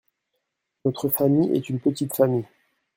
Notre famille est une petite famille.